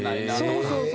そうそうそう。